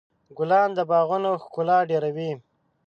ګلان د باغونو ښکلا ډېروي.